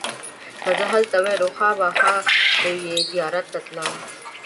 که زه هلته وای نو خامخا یې زیارت ته تلم.